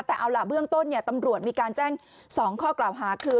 แต่เอาล่ะเบื้องต้นตำรวจมีการแจ้ง๒ข้อกล่าวหาคือ